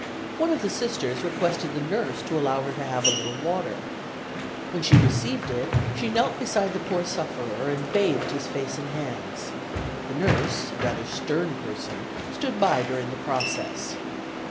One of the Sisters requested the nurse to allow her to have a little water. When she received it she knelt beside the poor sufferer and bathed his face and hands. The nurse, a rather stern person, stood by during the process.